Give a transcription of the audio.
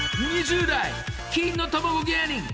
［２０代金の卵芸人］